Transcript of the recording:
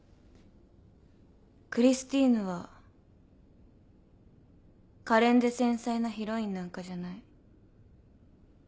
クリスティーヌは可憐で繊細なヒロインなんかじゃない。